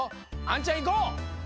あんちゃんいこう！